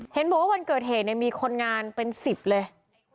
เห็นบอกว่าวันเกิดเหตุมีคนงานเป็น๑๐เลย